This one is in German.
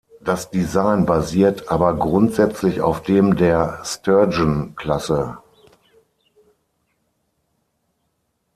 Das Design basiert aber grundsätzlich auf dem der "Sturgeon-Klasse".